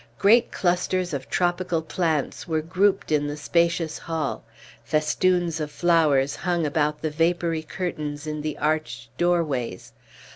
Great clusters of tropical plants were grouped in the spacious hall; festoons of flowers hung about the vapory curtains in the arched door ways.